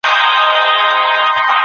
تاسي مه بېدېږئ ځکه وخت ډېر دی.